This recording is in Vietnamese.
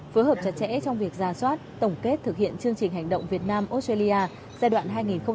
phối hợp chặt chẽ trong việc ra soát tổng kết thực hiện chương trình hành động việt nam australia giai đoạn hai nghìn một mươi sáu hai nghìn hai mươi